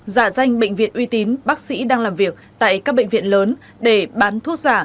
giả danh bệnh viện uy tín bác sĩ đang làm việc tại các bệnh viện lớn để bán thuốc giả